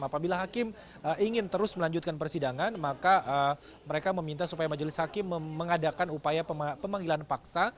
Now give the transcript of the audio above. apabila hakim ingin terus melanjutkan persidangan maka mereka meminta supaya majelis hakim mengadakan upaya pemanggilan paksa